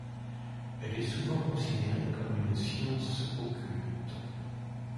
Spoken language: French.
Elle est souvent considérée comme une science occulte.